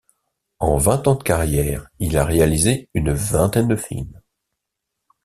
En vingt ans de carrière, il a réalisé une vingtaine de films.